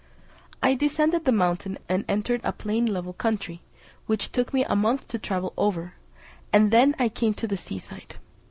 I descended the mountain, and entered a plain level country, which took me a month to travel over, and then I came to the sea side.